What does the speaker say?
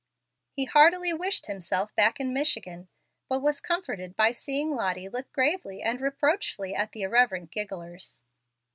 He heartily wished himself back in Michigan, but was comforted by seeing Lottie looking gravely and reproachfully at the irreverent gigglers.